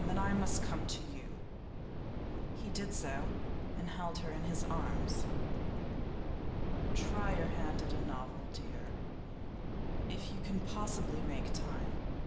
Then I must come to you.' He did so and held her in his arms. 'Try your hand at a novel, dear, if you can possibly make time.